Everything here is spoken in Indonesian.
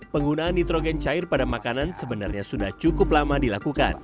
penggunaan nitrogen cair pada makanan sebenarnya sudah cukup lama dilakukan